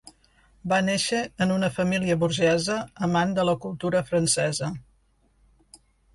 Va néixer en una família burgesa amant de la cultura francesa.